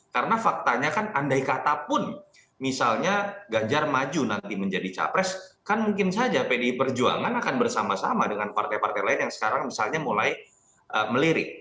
karena faktanya kan andai katapun misalnya ganjar maju nanti menjadi capres kan mungkin saja pdi perjuangan akan bersama sama dengan partai partai lain yang sekarang misalnya mulai melirik